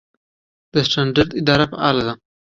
د سټنډرډ اداره فعاله ده؟